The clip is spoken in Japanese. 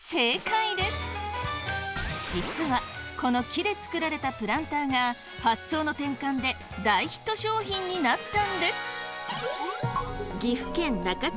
実はこの木で作られたプランターが発想の転換で大ヒット商品になったんです！